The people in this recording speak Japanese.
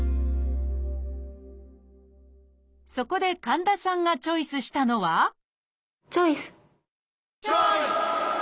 そこで神田さんがチョイスしたのはチョイス！